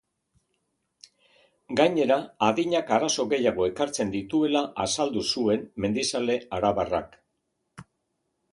Gainera, adinak arazo gehiago ekartzen dituela azaldu zuen mendizale arabarrak.